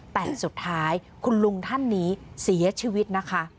แต่สุดท้ายคุณลุงท่านนี้เสียชีวิตนะคะ